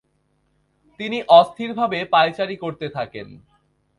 তিনি অস্থিরভাবে পায়চারি করতে থাকেন।